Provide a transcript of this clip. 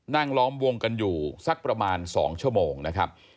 ล้อมวงกันอยู่สักประมาณ๒ชั่วโมงนะครับ